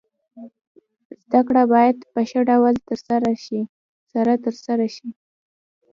زده کړه باید په ښه ډول سره تر سره سي.